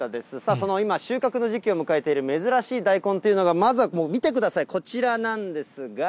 その今、収穫の時期を迎えている珍しい大根というのが、まずは見てください、こちらなんですが。